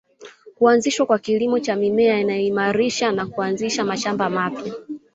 Kuanzishwa kwa kilimo cha mimea iliyoimarishwa na kuanzisha mashamba mapya